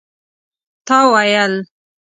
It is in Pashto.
تا ويل